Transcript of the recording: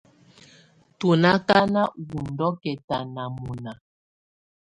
Tù na akanà wù ndɔ̀kɛ̀ta nà mɔ̀na.